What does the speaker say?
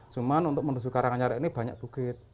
cuma untuk menuju karanganyar ini banyak bukit